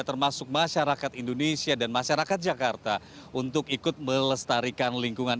termasuk masyarakat indonesia dan masyarakat jakarta untuk ikut melestarikan lingkungan